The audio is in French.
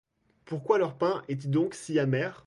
Pourquoi leur pain est-il donc si amer?